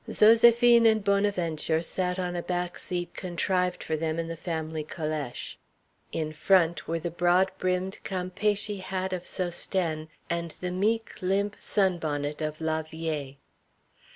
Zoséphine and Bonaventure sat on a back seat contrived for them in the family calèche. In front were the broad brimmed Campeachy hat of Sosthène and the meek, limp sunbonnet of la vieille.